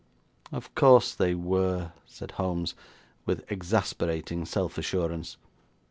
'Of course they were,' said Holmes, with exasperating self assurance.